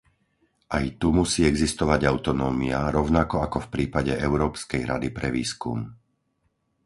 Aj tu musí existovať autonómia, rovnako ako v prípade Európskej rady pre výskum.